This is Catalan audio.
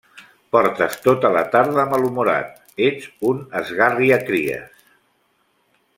Portes tota la tarda malhumorat. Ets un esgarriacries!